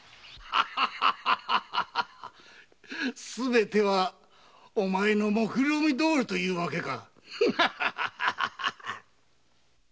すべてはお前のもくろみどおりというわけか。